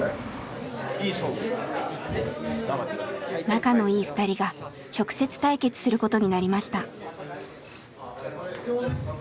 仲のいい２人が直接対決することになりました。